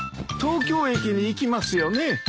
東京駅に行きますよね？